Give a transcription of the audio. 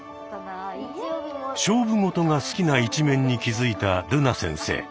勝負事が好きな一面に気付いたるな先生。